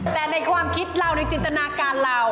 แต่ในความคิดเราในจินตนาการเรา